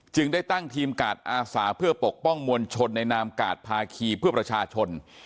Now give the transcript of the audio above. ได้ตั้งทีมกาดอาสาเพื่อปกป้องมวลชนในนามกาดภาคีเพื่อประชาชน